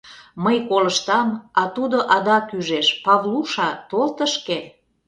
Мый колыштам; а тудо адак ӱжеш: "Павлуша, тол тышке".